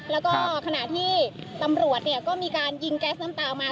แล้วก็ขณะที่ตำรวจก็มีการยิงแก๊สน้ำตาออกมา